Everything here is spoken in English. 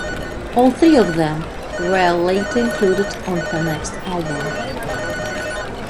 All three of them were later included on her next album.